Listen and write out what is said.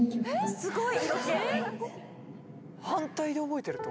すごい！